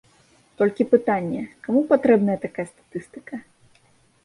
Толькі пытанне, каму патрэбная такая статыстыка?